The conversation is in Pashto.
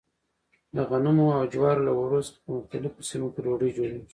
د غنمو او جوارو له اوړو څخه په مختلفو سیمو کې ډوډۍ جوړېږي.